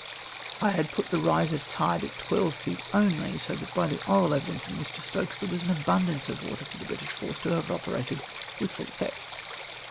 I had put the rise of tide at twelve feet only, so that by the oral evidence of Mr. Stokes there was abundance of water for the British force to have operated with full effect.